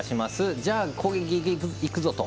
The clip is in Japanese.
じゃあ、攻撃、いくぞ！と。